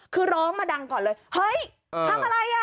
คือร้องมาดังก่อนเลยเฮ้ยทำอะไรอ่ะ